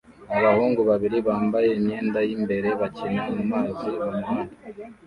Abahungu babiri bambaye imyenda y'imbere bakina mumazi mumuhanda